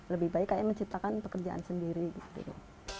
lebih baik kayak menciptakan pekerjaan sendiri gitu